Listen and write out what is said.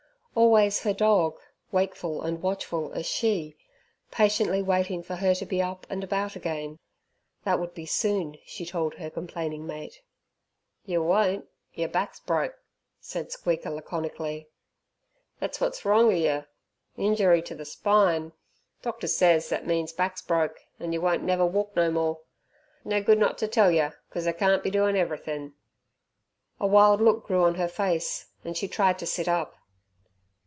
Always her dog wakeful and watchful as she patiently waiting for her to be up and about again. That would be soon, she told her complaining mate. "Yer won't. Yer back's broke," said Squeaker laconically. "That's wot's wrong er yer; injoory t' th' spine. Doctor says that means back's broke, and yer won't never walk no more. No good not t' tell yer, cos I can't be doin' everythin'." A wild look grew on her face, and she tried to sit up.